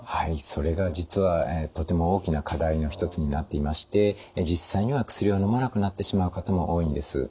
それが実はとても大きな課題の一つになっていまして実際には薬をのまなくなってしまう方も多いんです。